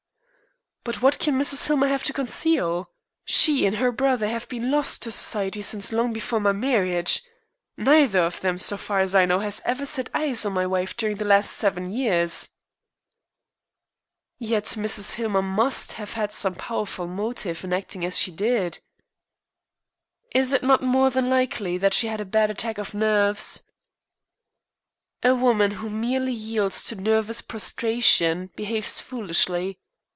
"But what can Mrs. Hillmer have to conceal? She and her brother have been lost to Society since long before my marriage. Neither of them, so far as I know, has ever set eyes on my wife during the last seven years." "Yet Mrs. Hillmer must have had some powerful motive in acting as she did." "Is it not more than likely that she had a bad attack of nerves?" "A woman who merely yields to nervous prostration behaves foolishly.